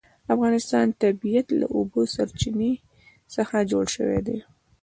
د افغانستان طبیعت له د اوبو سرچینې څخه جوړ شوی دی.